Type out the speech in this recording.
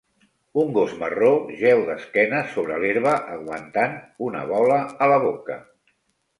Un gos marró jeu d'esquenes sobre l'herba, aguantant una bola a la boca.